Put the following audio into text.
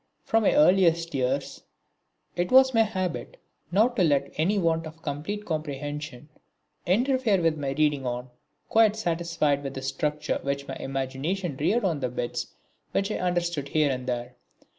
From my earliest years it was my habit not to let any want of complete comprehension interfere with my reading on, quite satisfied with the structure which my imagination reared on the bits which I understood here and there.